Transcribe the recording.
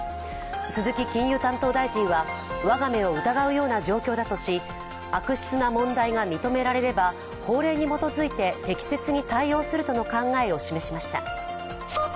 鈴木金融担当大臣は我が目を疑うような状況だとし、悪質な問題が認められれば法令に基づいて適切に対応するとの考えを示しました。